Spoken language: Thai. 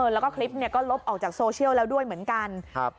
แล้วก็คลิปเนี่ยก็ลบออกจากโซเชียลแล้วด้วยเหมือนกัน